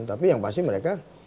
tapi yang pasti mereka